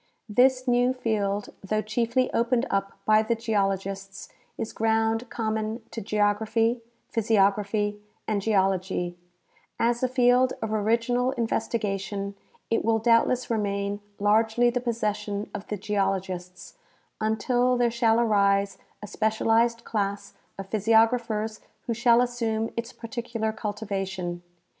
This new field, though chiefly opened up by the geologists, is ground common to geography, physiography and geology. As a field of original investigation it will doubtless remain largely the possession of the geologists until there shall arise a special Disciplinary Use of pliysiograpliic Study. 159 ized class of jDhysiographers who sliall assume its particular culti vation.